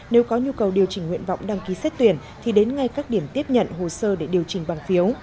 nếu có nhu cầu điều chỉnh nguyện vọng đăng ký xét tuyển thì đến ngay các điểm tiếp nhận hồ sơ để điều chỉnh bằng phiếu